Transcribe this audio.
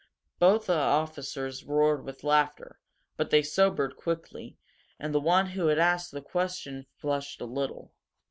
Both the officers roared with laughter, but they sobered quickly, and the one who had asked the question flushed a little.